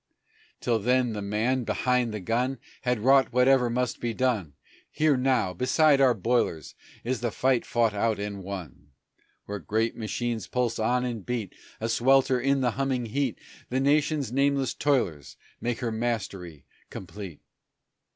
Till then the man behind the gun Had wrought whatever must be done Here, now, beside our boilers is the fight fought out and won; Where great machines pulse on and beat, A swelter in the humming heat The Nation's nameless toilers make her mastery complete.